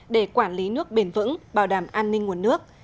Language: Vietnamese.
để quản lý nước bền vững bảo đảm an ninh nguồn nước